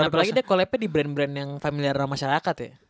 apalagi deh kalau lepe di brand brand yang familiar masyarakat ya